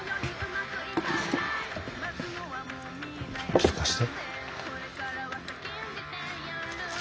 ちょっと貸して。